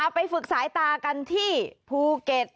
ไปฝึกสายตากันที่ภูเก็ต